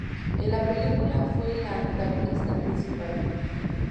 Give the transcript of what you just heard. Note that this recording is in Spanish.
En la película fue la antagonista principal.